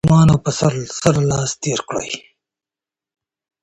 د يتيمانو په سر لاس تېر کړئ.